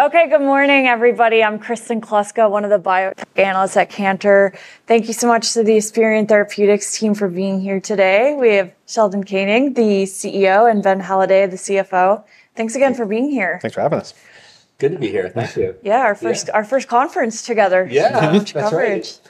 Okay, good morning everybody. I'm Kristen Kloska, one of the bio analysts at Cantor. Thank you so much to the Esperion Therapeutics team for being here today. We have Sheldon Koenig, the CEO, and Ben Halladay, the CFO. Thanks again for being here. Thanks for having us. Good to be here. Thank you. Yeah, our first conference together. Yeah, that's right.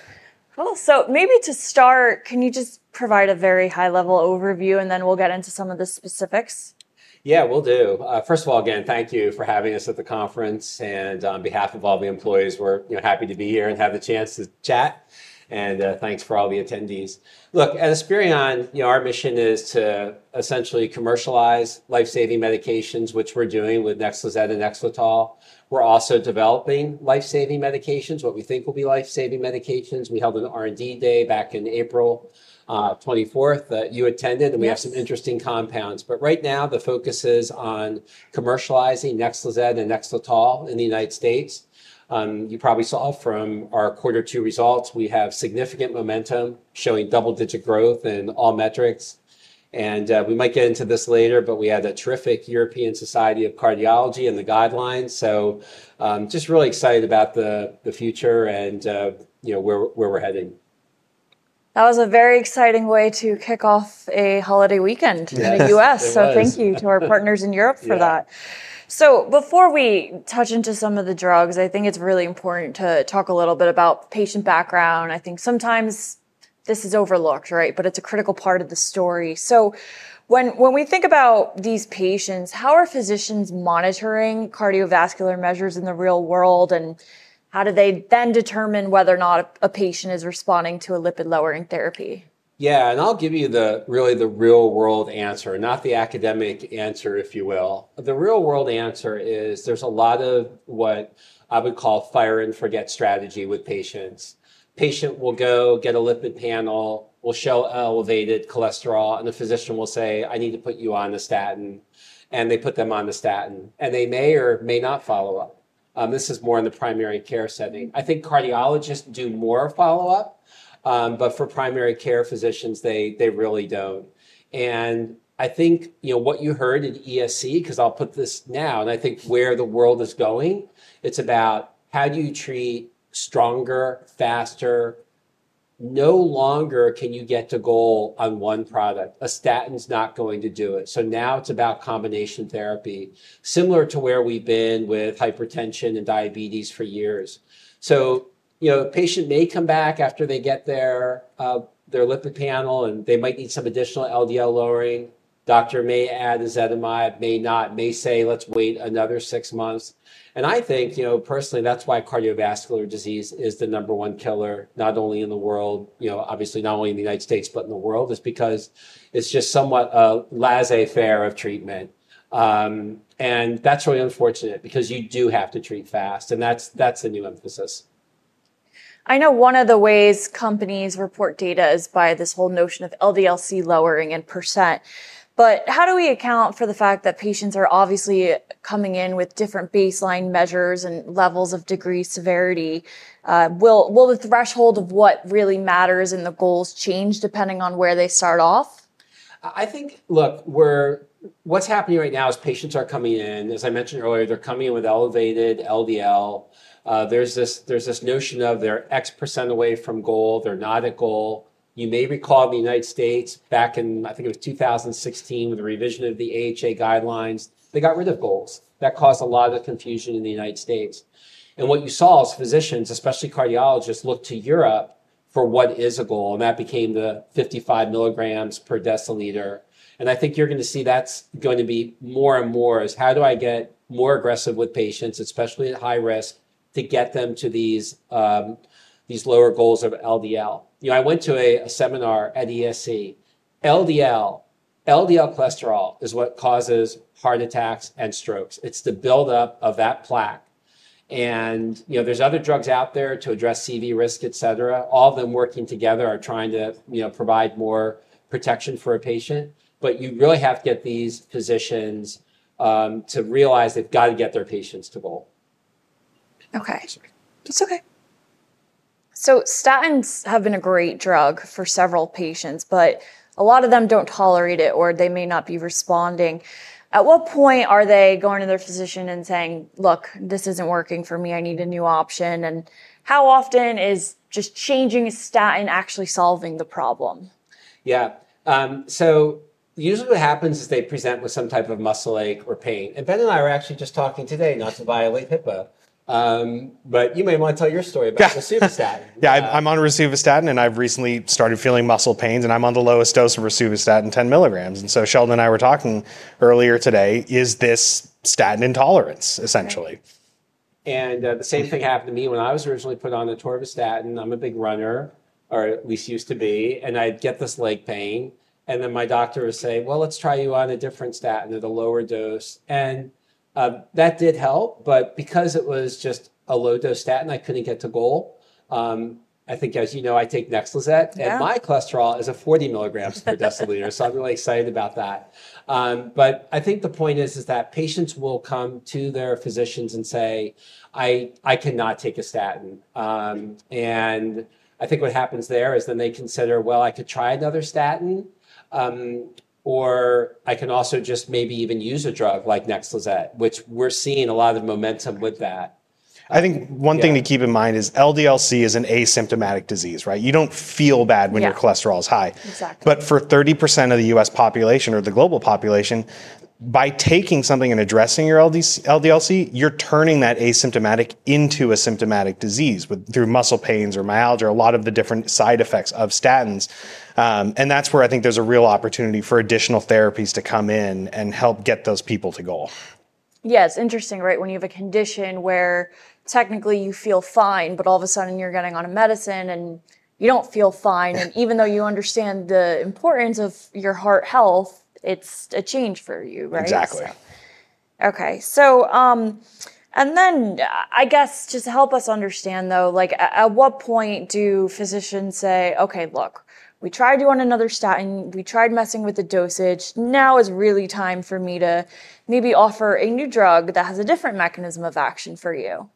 Cool. Maybe to start, can you just provide a very high-level overview, and then we'll get into some of the specifics? Yeah, will do. First of all, again, thank you for having us at the conference and on behalf of all the employees, we're happy to be here and have the chance to chat. Thanks for all the attendees. Look, at Esperion, our mission is to essentially commercialize life-saving medications, which we're doing with NEXLIZET and NEXLETOL. We're also developing life-saving medications, what we think will be life-saving medications. We held an R&D day back in April 24th that you attended, and we have some interesting compounds. Right now, the focus is on commercializing NEXLIZET and NEXLETOL in the U.S. You probably saw from our Q2 results, we have significant momentum showing double-digit growth in all metrics. We might get into this later, but we had a terrific European Society of Cardiology and the guidelines. Just really excited about the future and where we're heading. That was a very exciting way to kick off a holiday weekend in the U.S. Thank you to our partners in Europe for that. Before we touch into some of the drugs, I think it's really important to talk a little bit about patient background. I think sometimes this is overlooked, right? It's a critical part of the story. When we think about these patients, how are physicians monitoring cardiovascular measures in the real world? How do they then determine whether or not a patient is responding to a lipid-lowering therapy? Yeah, and I'll give you the real-world answer, not the academic answer, if you will. The real-world answer is there's a lot of what I would call fire and forget strategy with patients. Patient will go get a lipid panel, will show elevated cholesterol, and the physician will say, "I need to put you on a statin," and they put them on the statin, and they may or may not follow up. This is more in the primary care setting. I think cardiologists do more follow-up, but for primary care physicians, they really don't. I think, you know, what you heard in ESC, because I'll put this now, and I think where the world is going, it's about how do you treat stronger, faster. No longer can you get to goal on one product. A statin is not going to do it. Now it's about combination therapy, similar to where we've been with hypertension and diabetes for years. You know, a patient may come back after they get their lipid panel, and they might need some additional LDL-C lowering. Doctor may add ezetimibe, may not, may say, "Let's wait another six months." I think, you know, personally, that's why cardiovascular disease is the number one killer, not only in the world, you know, obviously not only in the United States, but in the world, is because it's just somewhat a laissez-faire of treatment. That's really unfortunate because you do have to treat fast, and that's a new emphasis. I know one of the ways companies report data is by this whole notion of LDL-C lowering in %. How do we account for the fact that patients are obviously coming in with different baseline measures and levels of degree of severity? Will the threshold of what really matters in the goals change depending on where they start off? I think, look, what's happening right now is patients are coming in, as I mentioned earlier, they're coming in with elevated LDL. There's this notion of they're X% away from goal, they're not at goal. You may recall in the U.S., back in, I think it was 2016, with the revision of the AHA guidelines, they got rid of goals. That caused a lot of confusion in the U.S. What you saw is physicians, especially cardiologists, look to Europe for what is a goal, and that became the 55 mg per dl. I think you're going to see that's going to be more and more is how do I get more aggressive with patients, especially at high risk, to get them to these lower goals of LDL. I went to a seminar at ESC. LDL cholesterol is what causes heart attacks and strokes. It's the buildup of that plaque. There are other drugs out there to address CV risk, et cetera. All of them working together are trying to provide more protection for a patient. You really have to get these physicians to realize they've got to get their patients to goal. Okay. Statins have been a great drug for several patients, but a lot of them don't tolerate it or they may not be responding. At what point are they going to their physician and saying, "Look, this isn't working for me. I need a new option"? How often is just changing a statin actually solving the problem? Yeah. Usually what happens is they present with some type of muscle ache or pain. Ben and I were actually just talking today, not to violate HIPAA, but you may want to tell your story about the rosuvastatin. Yeah, I'm on rosuvastatin and I've recently started feeling muscle pains. I'm on the lowest dose of rosuvastatin, 10 mg. Sheldon and I were talking earlier today, is this statin intolerance, essentially? The same thing happened to me when I was originally put on atorvastatin. I'm a big runner, or at least used to be, and I'd get this leg pain. My doctor was saying, "Let's try you on a different statin at a lower dose." That did help, but because it was just a low-dose statin, I couldn't get to goal. I think, as you know, I take NEXLIZET and my cholesterol is at 40 mg per dl. I'm really excited about that. I think the point is that patients will come to their physicians and say, "I cannot take a statin." I think what happens there is they consider, "I could try another statin, or I can also just maybe even use a drug like NEXLIZET ," which we're seeing a lot of momentum with. I think one thing to keep in mind is LDL-C is an asymptomatic disease, right? You don't feel bad when your cholesterol is high. Exactly. For 30% of the U.S. population or the global population, by taking something and addressing your LDL-C, you're turning that asymptomatic into a symptomatic disease through muscle pains or myalgia, a lot of the different side effects of statins. That's where I think there's a real opportunity for additional therapies to come in and help get those people to goal. Yes, interesting, right? When you have a condition where technically you feel fine, but all of a sudden you're getting on a medicine and you don't feel fine. Even though you understand the importance of your heart health, it's a change for you, right? Exactly. Okay, I guess just to help us understand though, at what point do physicians say, "Okay, look, we tried you on another statin, we tried messing with the dosage, now is really time for me to maybe offer a new drug that has a different mechanism of action for you"?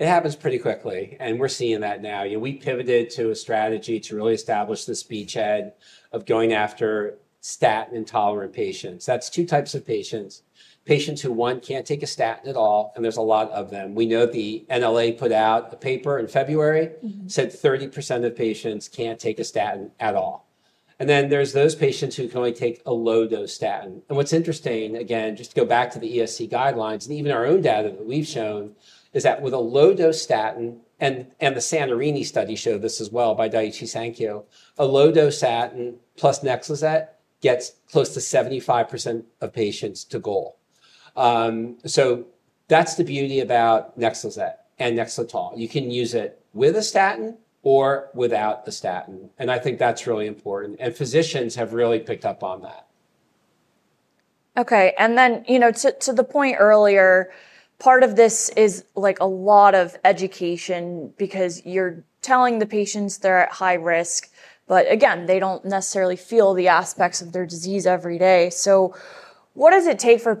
It happens pretty quickly. We're seeing that now. You know, we pivoted to a strategy to really establish this beachhead of going after statin-intolerant patients. That's two types of patients: patients who, one, can't take a statin at all, and there's a lot of them. We know the NLA put out the paper in February, said 30% of the patients can't take a statin at all. Then there's those patients who can only take a low-dose statin. What's interesting, again, just to go back to the ESC guidelines and even our own data that we've shown, is that with a low-dose statin, and the SANTORINI study showed this as well by Daiichi Sankyo, a low-dose statin plus NEXLIZET gets close to 75% of patients to goal. That's the beauty about NEXLIZET and NEXLETOL. You can use it with a statin or without a statin. I think that's really important. Physicians have really picked up on that. Okay. To the point earlier, part of this is like a lot of education because you're telling the patients they're at high risk, but again, they don't necessarily feel the aspects of their disease every day. What does it take for,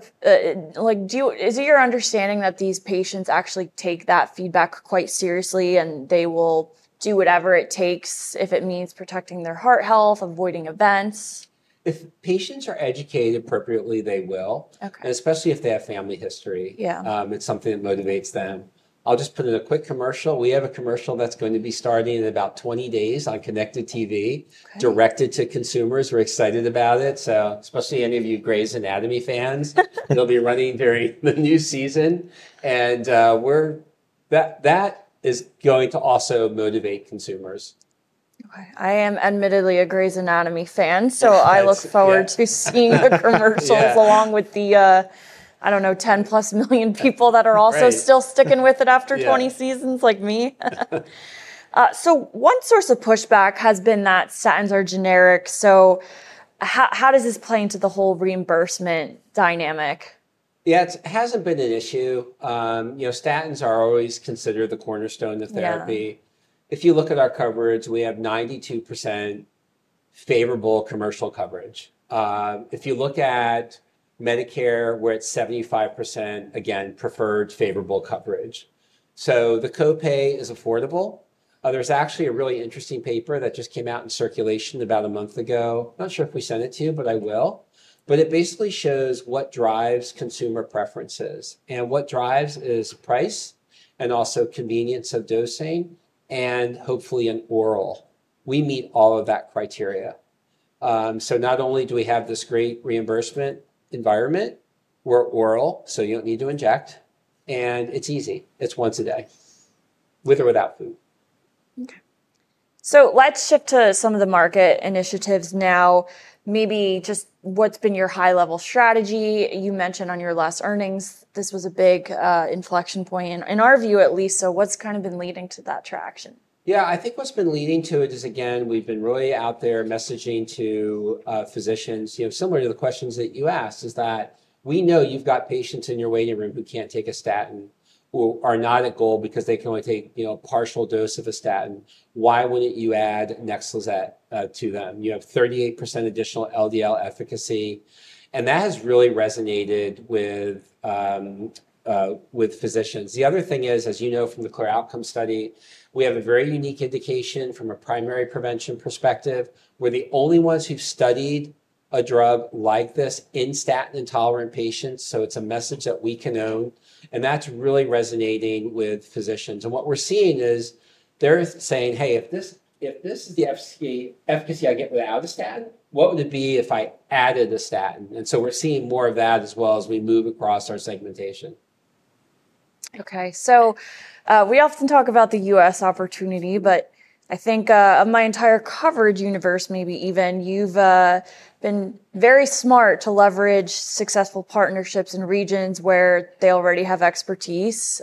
like, do you, is it your understanding that these patients actually take that feedback quite seriously and they will do whatever it takes if it means protecting their heart health, avoiding events? If patients are educated appropriately, they will. Okay. Especially if they have family history. Yeah. It's something that motivates them. I'll just put in a quick commercial. We have a commercial that's going to be starting in about 20 days on Connected TV, directed to consumers. We're excited about it, especially any of you Grey's Anatomy fans. It'll be running during the new season. That is going to also motivate consumers. Okay. I am admittedly a Grey's Anatomy fan, so I look forward to seeing the commercials along with the, I don't know, 10+ million people that are also still sticking with it after 20 seasons like me. One source of pushback has been that statins are generic. How does this play into the whole reimbursement dynamic? Yeah, it hasn't been an issue. You know, statins are always considered the cornerstone of therapy. If you look at our coverage, we have 92% favorable commercial coverage. If you look at Medicare, we're at 75%, again, preferred favorable coverage. The copay is affordable. There's actually a really interesting paper that just came out in Circulation about a month ago. I'm not sure if we sent it to you, but I will. It basically shows what drives consumer preferences. What drives is price and also convenience of dosing and hopefully an oral. We meet all of that criteria. Not only do we have this great reimbursement environment, we're oral, so you don't need to inject, and it's easy. It's once a day, with or without food. Okay. Let's shift to some of the market initiatives now. Maybe just what's been your high-level strategy? You mentioned on your last earnings this was a big inflection point in our view at least. What's kind of been leading to that traction? Yeah, I think what's been leading to it is, again, we've been really out there messaging to physicians, you know, similar to the questions that you asked, is that we know you've got patients in your waiting room who can't take a statin or are not at goal because they can only take, you know, a partial dose of a statin. Why wouldn't you add Nexlizet to them? You have 38% additional LDL-C efficacy. That has really resonated with physicians. The other thing is, as you know, from the Clear Outcomes Study, we have a very unique indication from a primary prevention perspective. We're the only ones who've studied a drug like this in statin-intolerant patients. It's a message that we can own. That's really resonating with physicians. What we're seeing is they're saying, "Hey, if this, if this is the efficacy I get without a statin, what would it be if I added a statin?" We're seeing more of that as well as we move across our segmentation. Okay. We often talk about the U.S. opportunity, but I think, of my entire coverage universe, maybe even you've been very smart to leverage successful partnerships in regions where they already have expertise.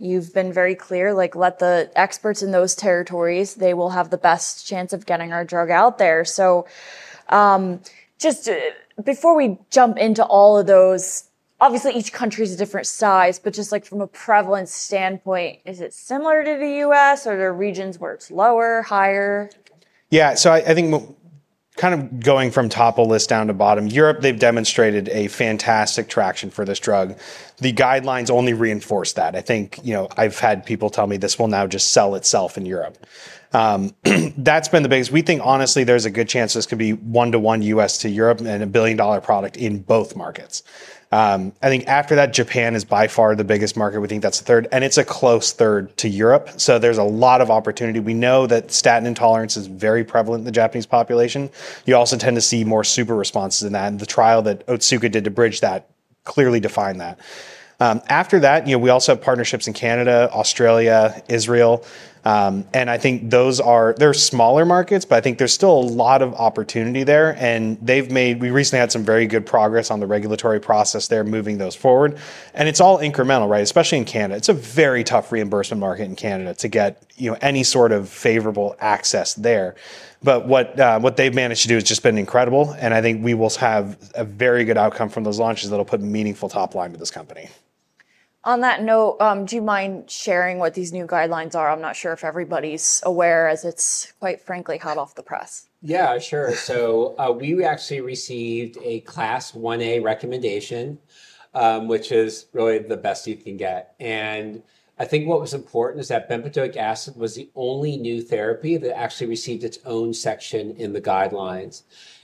You've been very clear, like, let the experts in those territories, they will have the best chance of getting our drug out there. Just before we jump into all of those, obviously each country's a different size, but just like from a prevalence standpoint, is it similar to the U.S. or are there regions where it's lower, higher? Yeah, so I think kind of going from top of the list down to bottom, Europe, they've demonstrated fantastic traction for this drug. The guidelines only reinforce that. I think, you know, I've had people tell me this will now just sell itself in Europe. That's been the biggest. We think, honestly, there's a good chance this could be one-to-one U.S. to Europe and a billion-dollar product in both markets. I think after that, Japan is by far the biggest market. We think that's a third, and it's a close third to Europe. There's a lot of opportunity. We know that statin intolerance is very prevalent in the Japanese population. You also tend to see more super responses in that. The trial that Otsuka did to bridge that clearly defined that. After that, we also have partnerships in Canada, Australia, Israel. I think those are, they're smaller markets, but I think there's still a lot of opportunity there. They've made, we recently had some very good progress on the regulatory process. They're moving those forward. It's all incremental, right? Especially in Canada. It's a very tough reimbursement market in Canada to get, you know, any sort of favorable access there. What they've managed to do has just been incredible. I think we will have a very good outcome from those launches that'll put meaningful top line to this company. On that note, do you mind sharing what these new guidelines are? I'm not sure if everybody's aware as it's quite frankly hot off the press. Yeah, sure. We actually received a Class 1A recommendation, which is really the best you can get. I think what was important is that bempedoic acid was the only new therapy that actually received its own section in the guidelines.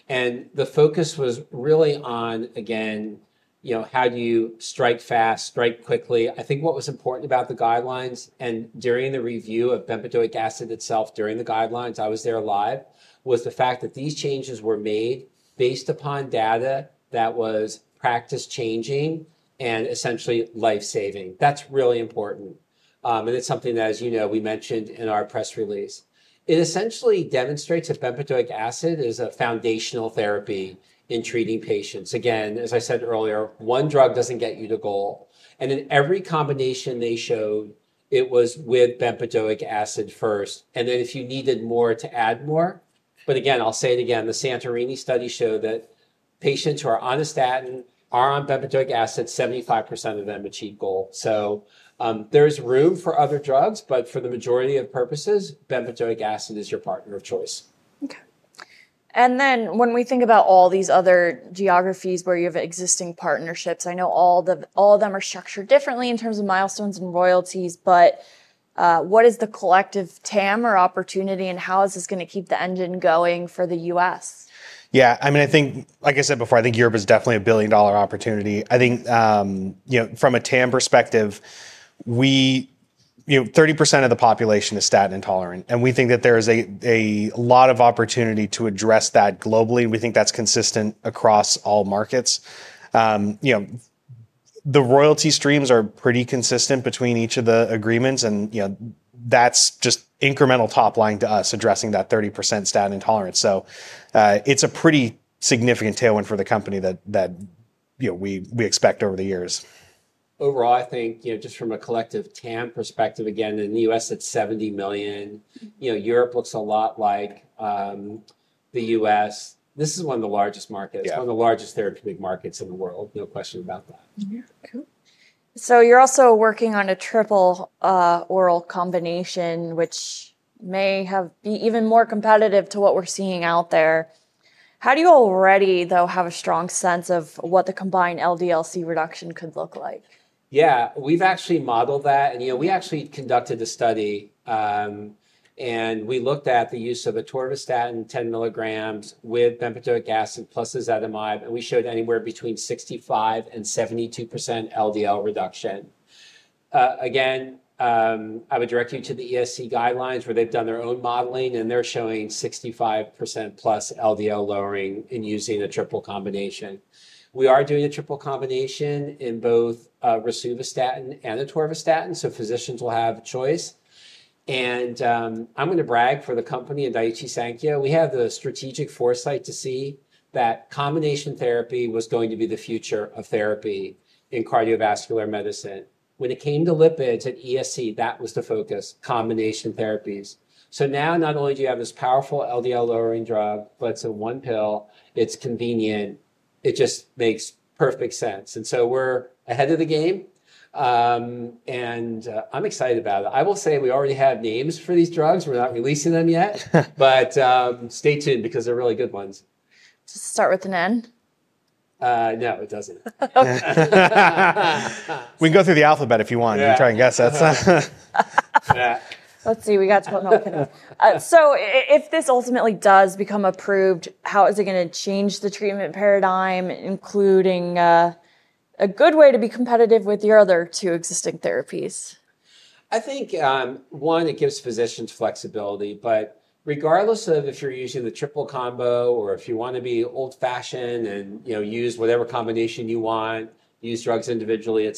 The focus was really on, again, you know, how do you strike fast, strike quickly? I think what was important about the guidelines and during the review of bempedoic acid itself, during the guidelines, I was there live, was the fact that these changes were made based upon data that was practice changing and essentially life-saving. That's really important, and it's something that, as you know, we mentioned in our press release. It essentially demonstrates that bempedoic acid is a foundational therapy in treating patients. As I said earlier, one drug doesn't get you to goal. In every combination they showed, it was with bempedoic acid first, and then if you needed more, to add more. I'll say it again, the SANTORINI study showed that patients who are on a statin or on bempedoic acid, 75% of them achieve goal. There's room for other drugs, but for the majority of purposes, bempedoic acid is your partner of choice. Okay. When we think about all these other geographies where you have existing partnerships, I know all of them are structured differently in terms of milestones and royalties, but what is the collective TAM or opportunity, and how is this going to keep the engine going for the U.S.? Yeah, I mean, I think, like I said before, I think Europe is definitely a billion-dollar opportunity. I think, you know, from a TAM perspective, we, you know, 30% of the population is statin intolerant. We think that there is a lot of opportunity to address that globally. We think that's consistent across all markets. The royalty streams are pretty consistent between each of the agreements, and that's just incremental top line to us addressing that 30% statin intolerance. It's a pretty significant tailwind for the company that we expect over the years. Overall, I think just from a collective TAM perspective, again, in the U.S., it's $70 million. Europe looks a lot like the U.S. This is one of the largest markets, one of the largest therapeutic markets in the world. No question about that. You're also working on a triple oral combination, which may have been even more competitive to what we're seeing out there. How do you already, though, have a strong sense of what the combined LDL-C reduction could look like? Yeah, we've actually modeled that. You know, we actually conducted a study, and we looked at the use of atorvastatin 10 mg with bempedoic acid plus ezetimibe. We showed anywhere between 65% and 72% LDL-C reduction. I would direct you to the ESC guidelines where they've done their own modeling, and they're showing 65%+ LDL-C lowering using a triple combination. We are doing a triple combination in both rosuvastatin and atorvastatin, so physicians will have a choice. I'm going to brag for the company and Daiichi Sankyo. We had the strategic foresight to see that combination therapy was going to be the future of therapy in cardiovascular medicine. When it came to lipids at ESC, that was the focus: combination therapies. Now, not only do you have this powerful LDL-C lowering drug, but it's a one pill. It's convenient. It just makes perfect sense. We're ahead of the game, and I'm excited about it. I will say we already have names for these drugs. We're not releasing them yet, but stay tuned because they're really good ones. Does it start with an N? No, it doesn't. We can go through the alphabet if you want and try and guess that. Let's see, we got to a milking it. If this ultimately does become approved, how is it going to change the treatment paradigm, including a good way to be competitive with your other two existing therapies? I think, one, it gives physicians flexibility, but regardless of if you're using the triple combination drug or if you want to be old fashioned and, you know, use whatever combination you want, use drugs individually, et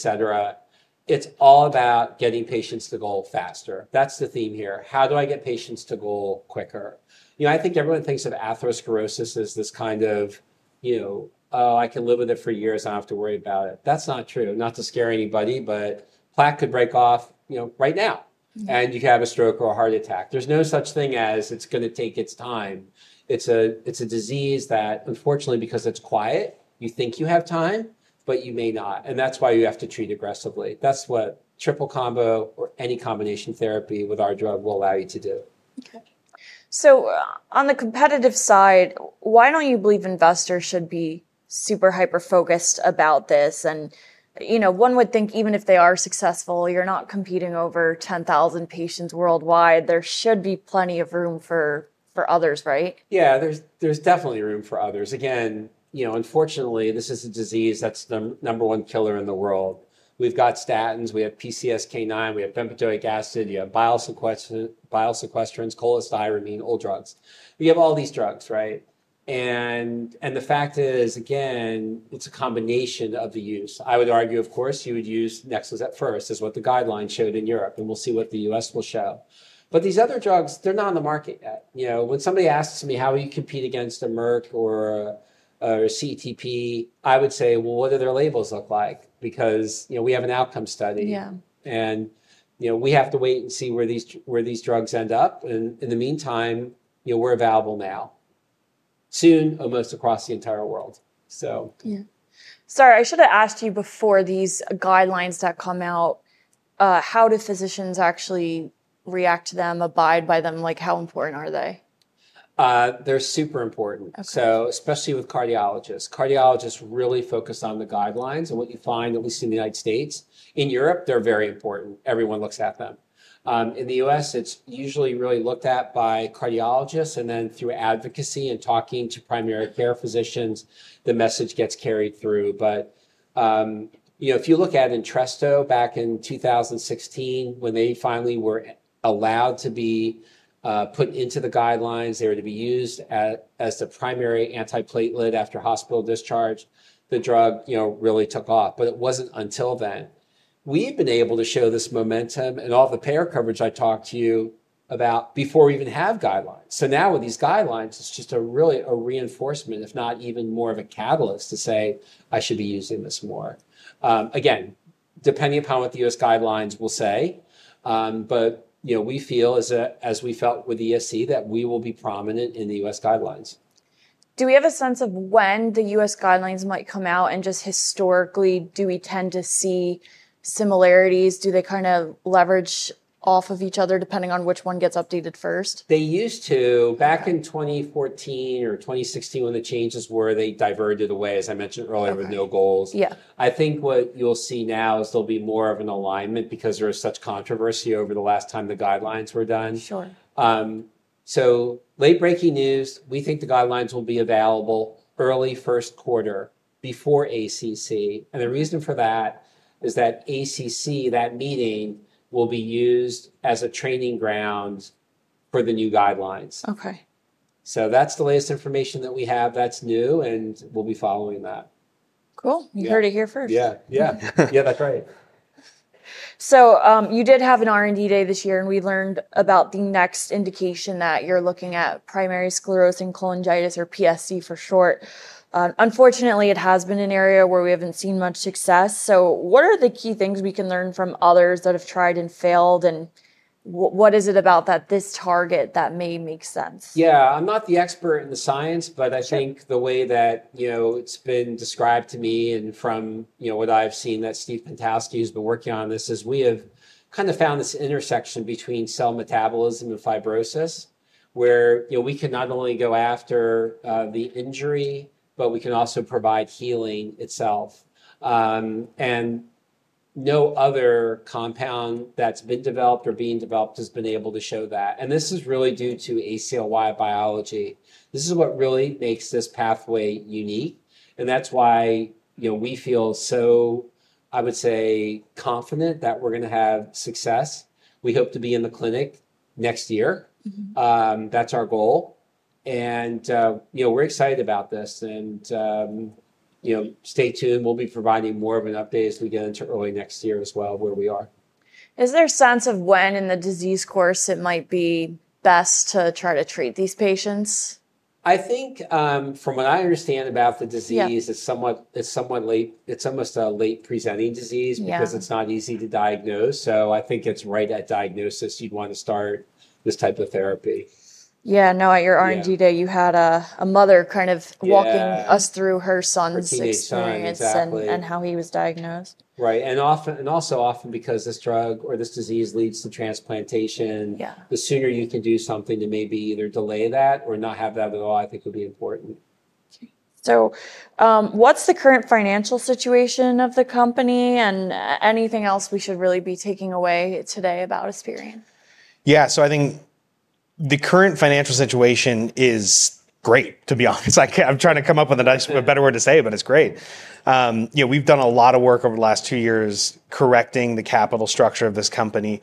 cetera, it's all about getting patients to goal faster. That's the theme here. How do I get patients to goal quicker? I think everyone thinks of atherosclerosis as this kind of, you know, oh, I can live with it for years. I don't have to worry about it. That's not true. Not to scare anybody, but plaque could break off, you know, right now. You could have a stroke or a heart attack. There's no such thing as it's going to take its time. It's a disease that, unfortunately, because it's quiet, you think you have time, but you may not. That's why you have to treat aggressively. That's what triple combination drug or any combination therapy with our drug will allow you to do. Okay. On the competitive side, why don't you believe investors should be super hyper-focused about this? You know, one would think even if they are successful, you're not competing over 10,000 patients worldwide. There should be plenty of room for others, right? Yeah, there's definitely room for others. Again, you know, unfortunately, this is a disease that's the number one killer in the world. We've got statins, we have PCSK9, we have bempedoic acid, you have bile sequestrant, cholestyramine, old drugs. We have all these drugs, right? The fact is, again, it's a combination of the use. I would argue, of course, you would use NEXLIZET first, is what the guidelines showed in Europe, and we'll see what the U.S. will show. These other drugs, they're not on the market yet. You know, when somebody asks me, how do you compete against a Merck or a CTP, I would say, what do their labels look like? Because, you know, we have an outcome study. Yeah. We have to wait and see where these drugs end up. In the meantime, we're available now, soon almost across the entire world. Yeah. Sorry, I should have asked you before these guidelines that come out, how do physicians actually react to them, abide by them? Like, how important are they? They're super important. Especially with cardiologists, Cardiologists really focus on the guidelines and what you find, at least in the United States. In Europe, they're very important. Everyone looks at them. In the U.S., it's usually really looked at by cardiologists and then through advocacy and talking to primary care physicians, the message gets carried through. If you look at Entresto back in 2016, when they finally were allowed to be put into the guidelines, they were to be used as the primary antiplatelet after hospital discharge, the drug really took off. It wasn't until then. We've been able to show this momentum and all the payer coverage I talked to you about before we even have guidelines. Now with these guidelines, it's just really a reinforcement, if not even more of a catalyst to say, I should be using this more, again, depending upon what the U.S. guidelines will say. We feel, as we felt with the ESC, that we will be prominent in the U.S. guidelines. Do we have a sense of when the U.S. guidelines might come out, and just historically, do we tend to see similarities? Do they kind of leverage off of each other depending on which one gets updated first? They used to, back in 2014 or 2016, when the changes were, they diverted away, as I mentioned earlier, with no goals. Yeah. I think what you'll see now is there'll be more of an alignment because there was such controversy over the last time the guidelines were done. Sure. Late breaking news, we think the guidelines will be available early first quarter before ACC. The reason for that is that ACC, that meeting, will be used as a training ground for the new guidelines. Okay. That's the latest information that we have that's new, and we'll be following that. Cool. You heard it here first. Yeah, that's right. You did have an R&D day this year and we learned about the next indication that you're looking at, primary sclerosing cholangitis or PSC for short. Unfortunately, it has been an area where we haven't seen much success. What are the key things we can learn from others that have tried and failed, and what is it about this target that may make sense? Yeah, I'm not the expert in the science, but I think the way that, you know, it's been described to me and from, you know, what I've seen that Steve Pankowski has been working on this is we have kind of found this intersection between cell metabolism and fibrosis, where, you know, we can not only go after the injury, but we can also provide healing itself. No other compound that's been developed or being developed has been able to show that. This is really due to ACLY biology. This is what really makes this pathway unique. That's why, you know, we feel so, I would say, confident that we're going to have success. We hope to be in the clinic next year. That's our goal. You know, we're excited about this and, you know, stay tuned. We'll be providing more of an update as we get into early next year as well where we are. Is there a sense of when in the disease course it might be best to try to treat these patients? I think, from what I understand about the disease, it's somewhat late. It's almost a late presenting disease because it's not easy to diagnose. I think it's right at diagnosis you'd want to start this type of therapy. Yeah, I know at your R&D day you had a mother kind of walking us through her son's experience and how he was diagnosed. Right. Also, often because this drug or this disease leads to transplantation. Yeah. The sooner you can do something to maybe either delay that or not have that at all, I think it would be important. Okay. What's the current financial situation of the company, and anything else we should really be taking away today about Esperion? Yeah, I think the current financial situation is great, to be honest. I'm trying to come up with a better word to say it, but it's great. We've done a lot of work over the last two years correcting the capital structure of this company.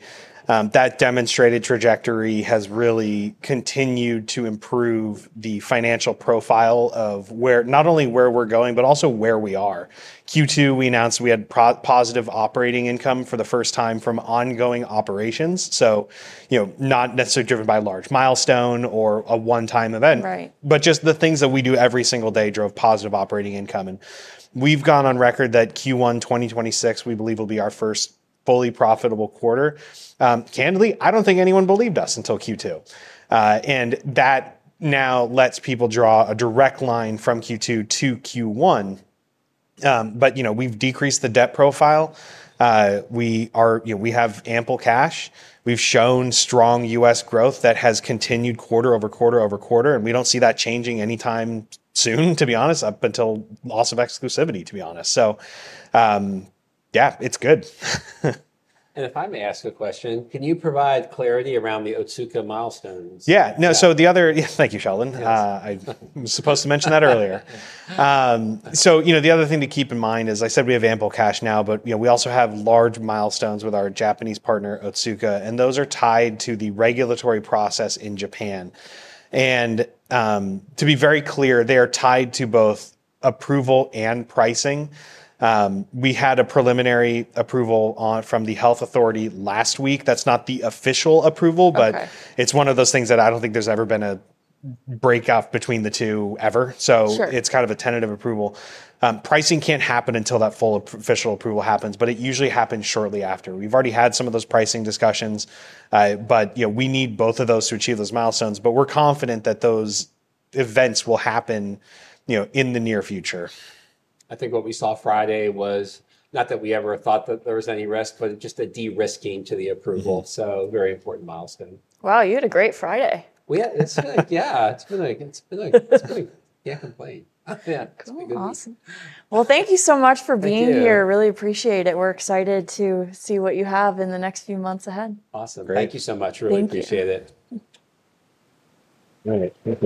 That demonstrated trajectory has really continued to improve the financial profile of not only where we're going, but also where we are. In Q2, we announced we had positive operating income for the first time from ongoing operations, not necessarily driven by a large milestone or a one-time event, but just the things that we do every single day drove positive operating income. We've gone on record that Q1 2026, we believe, will be our first fully profitable quarter. Candidly, I don't think anyone believed us until Q2, and that now lets people draw a direct line from Q2 to Q1. We've decreased the debt profile. We have ample cash. We've shown strong U.S. growth that has continued quarter over quarter over quarter. We don't see that changing anytime soon, to be honest, up until loss of exclusivity, to be honest. Yeah, it's good. If I may ask a question, can you provide clarity around the Otsuka milestones? Yeah, no, thank you, Sheldon. I was supposed to mention that earlier. The other thing to keep in mind is I said we have ample cash now, but we also have large milestones with our Japanese partner, Otsuka, and those are tied to the regulatory process in Japan. To be very clear, they are tied to both approval and pricing. We had a preliminary approval on it from the Health Authority last week. That's not the official approval, but it's one of those things that I don't think there's ever been a breakup between the two ever. It's kind of a tentative approval. Pricing can't happen until that full official approval happens, but it usually happens shortly after. We've already had some of those pricing discussions. We need both of those to achieve those milestones, but we're confident that those events will happen in the near future. I think what we saw Friday was not that we ever thought that there was any risk, just a de-risking to the approval. Very important milestone. Wow, you had a great Friday. Yeah, it's been complete. Awesome. Thank you so much for being here. Really appreciate it. We're excited to see what you have in the next few months ahead. Awesome. Thank you so much. Really appreciate it. All right.